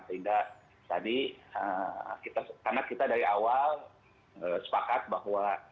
sehingga tadi karena kita dari awal sepakat bahwa